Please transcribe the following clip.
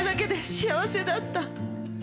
幸せだった。